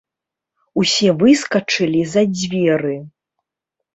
Усе выскачылі за дзверы.